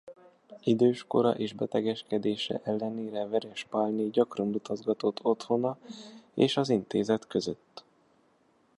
Idős kora és betegeskedése ellenére Veres Pálné gyakran utazgatott otthona és az intézet között.